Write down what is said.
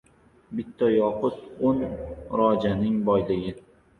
Bitta yoqut – oʻn rojaning boyligi.